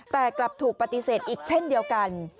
แต่กลับถูกปฏิเสธอีกเช่นเดียวกัน